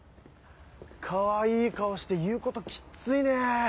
かわいい顔して言うこときっついね。